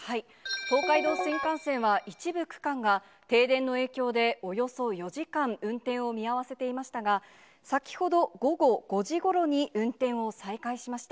東海道新幹線は一部区間が停電の影響で、およそ４時間、運転を見合わせていましたが、先ほど午後５時ごろに運転を再開しました。